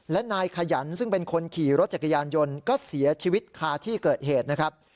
และนายขยันซึ่งเป็นคนขี่รถจักรยานยนต์ก็เสียชีวิตคาที่เกิดเหตุนะครับ